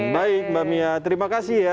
baik mbak mia terima kasih ya